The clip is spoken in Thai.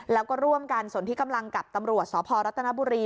แล้วก็ร่วมกันสนที่กำลังกับตำรวจสพรัฐนบุรี